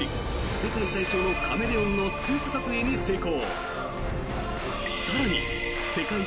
世界最小のカメレオンのスクープ撮影に成功！